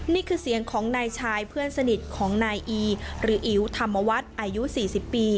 นี่คือเสียงของนายชายเพื่อนสนิทของนายอีหรืออิ๋วธรรมวัฒน์อายุ๔๐ปี